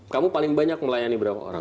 kamu paling banyak melayani berapa orang